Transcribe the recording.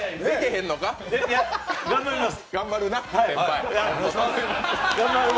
頑張ります。